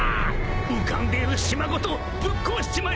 ［浮かんでいる島ごとぶっ壊しちまいそうだべ！］